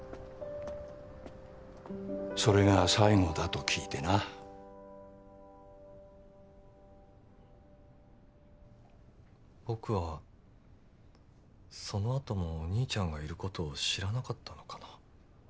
それが最後だと聞いてな僕はそのあともお兄ちゃんがいることを知らなかったのかな？